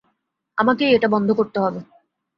আমাকেই এটা বন্ধ করতে হবে।